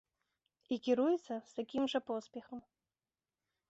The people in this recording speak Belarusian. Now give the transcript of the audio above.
І кіруецца з такім жа поспехам.